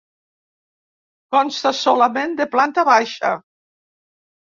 Consta solament de planta baixa.